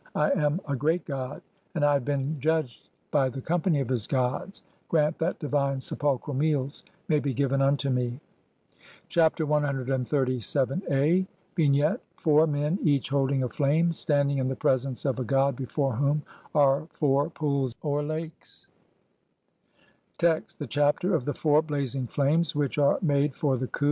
(18) [I am] a "great god, and [I have been] judged by the companv of his gods; "grant that divine, sepulchral meals may be given unto me." Chapter CXXXVII a. [From the Papyrus of Nu (Brit. Mus. No. 10,477, sheet 26).] Vignette : Four men, each holding a flame, standing in the presence of a god before whom are four pools or lakes. Text: (1) The Chapter of the four blazing flames which ARE MADE FOR THE KHU.